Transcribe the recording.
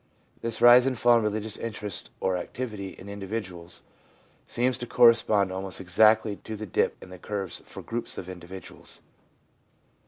This rise and fall in religious interest or activity in individuals seems to correspond almost exactly to the dip in the curves for groups of individuals.